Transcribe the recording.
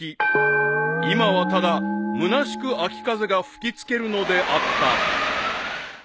［今はただむなしく秋風が吹き付けるのであった］